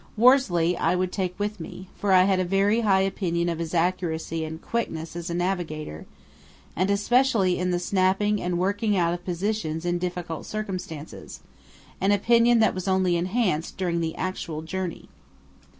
Worsley I would take with me, for I had a very high opinion of his accuracy and quickness as a navigator, and especially in the snapping and working out of positions in difficult circumstances—an opinion that was only enhanced during the actual journey.